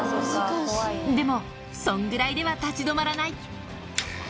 でも、そんぐらいでは立ち止まらない。